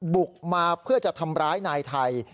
บุกมาเพื่อจะทำร้ายนายไทย